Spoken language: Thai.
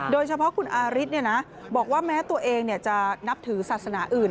โดยเฉพาะคุณอาริสบอกว่าแม้ตัวเองจะนับถือศาสนาอื่น